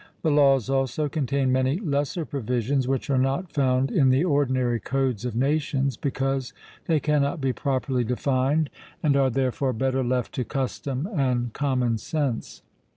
The Laws also contain many lesser provisions, which are not found in the ordinary codes of nations, because they cannot be properly defined, and are therefore better left to custom and common sense.